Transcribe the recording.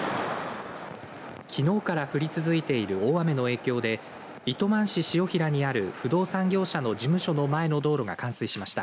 きのうから降り続いている大雨の影響で糸満市潮平にある不動産業者の事務所の前の道路が冠水しました。